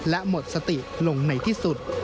และหมดสติลงในที่สุด